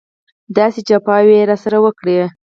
داسې جفاوې یې راسره وکړې.